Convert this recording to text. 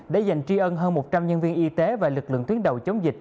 đã dành tri ân hơn một trăm linh nhân viên y tế và lực lượng tuyến đầu chống dịch